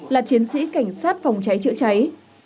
là chiến sĩ cảnh sát phòng cháy chữa cháy